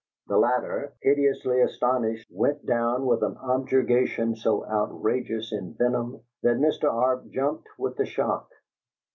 The latter, hideously astonished, went down with an objurgation so outrageous in venom that Mr. Arp jumped with the shock.